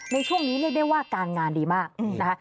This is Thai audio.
ในช่วงนี้เรียกได้ว่าการงานดีมากนะคะ